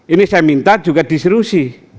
ini saya minta juga disrusi